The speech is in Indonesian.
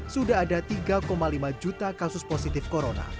sudah ada tiga lima juta kasus positif corona